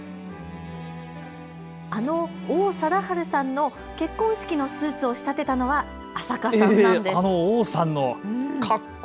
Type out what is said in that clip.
あの王貞治さんの結婚式のスーツを仕立てたのは安積さんなんです。